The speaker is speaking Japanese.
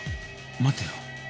待てよ